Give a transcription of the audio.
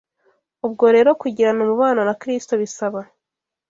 Ubwo rero kugirana umubano na Kristo bisaba